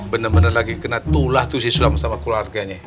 benar benar lagi kena tulah tuh si sulam sama keluarganya